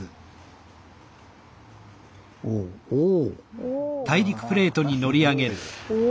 おお。